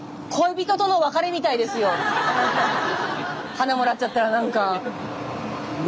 花もらっちゃったら何か。